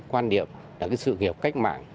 quan điểm là cái sự nghiệp cách mạng